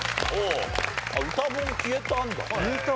歌本消えたんだ。